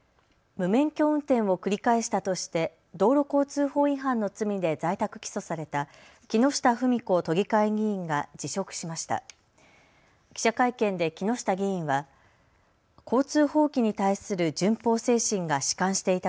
無免許運転を繰り返したとして道路交通法違反の罪で在宅起訴された木下富美子都議会議員が辞職しました。